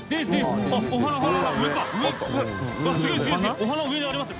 お花上にありますよ。